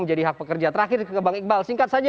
menjadi hak pekerja terakhir ke bang iqbal singkat saja